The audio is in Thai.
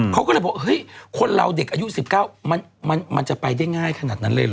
เขาก็เลยบอกเฮ้ยคนเราเด็กอายุ๑๙มันจะไปได้ง่ายขนาดนั้นเลยเห